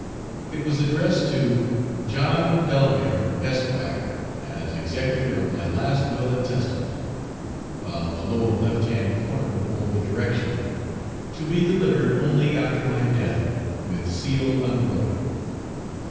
It was addressed to "John Delamere, Esq., as Executor of my Last Will and Testament," while the lower left hand corner bore the direction: "To be delivered only after my death, with seal unbroken."